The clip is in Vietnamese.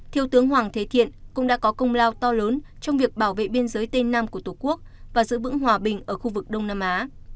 thiếu tướng hoàng thế thiện cũng đã có công lao to lớn trong việc bảo vệ biên giới tây nam của tổ quốc và giữ vững hòa bình ở khu vực đông nam á